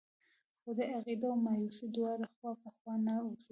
د خدای عقيده او مايوسي دواړه خوا په خوا نه اوسېدلی.